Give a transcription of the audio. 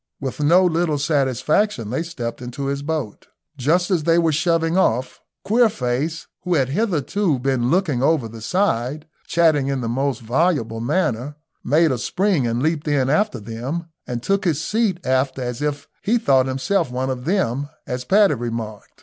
With no little satisfaction they stepped into his boat. Just as they were shoving off, Queerface, who had hitherto been looking over the side, chattering in the most voluble manner, made a spring and leaped in after them, and took his seat aft as if he thought himself one of them, as Paddy remarked.